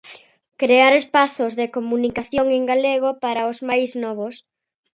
Crear espazos de comunicación en galego para os máis novos.